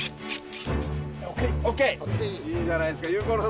いいじゃないですか友好の里！